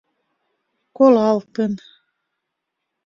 Колалтын.